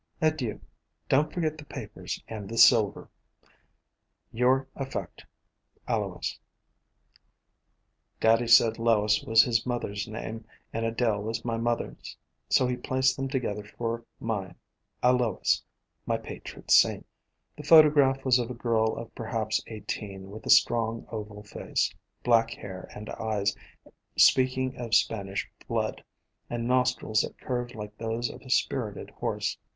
Adieu. Don't forget the papers and the silver. Your affec. ALOIS. Daddy said Lois was his mother's name and Adele was my mother's, so he pieced them together for mine— A lois, my patron saint. NEW ASTER A COMPOSITE FAMILY 265 The photograph was of a girl of perhaps eigh teen, with a strong, oval face, black hair and eyes, speaking of Spanish blood, and nostrils that curved like those of a spirited horse.